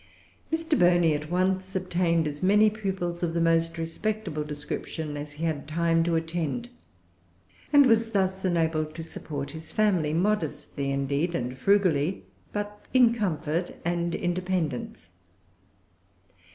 Mr. Burney at once obtained as many pupils of the most respectable description as he had time to attend, and was thus enabled to support his family, modestly indeed, and frugally, but in comfort and independence.